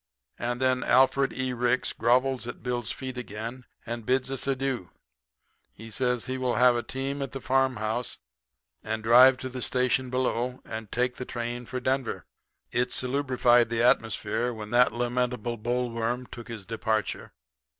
"And then Alfred E. Ricks grovels at Bill's feet again, and bids us adieu. He says he will have a team at a farmhouse, and drive to the station below, and take the train for Denver. It salubrified the atmosphere when that lamentable boll worm took his departure.